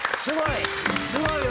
すごいわ！